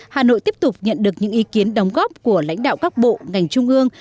hà nội tiếp tục nhận được những ý kiến đóng góp của lãnh đạo các bộ ngành trung ương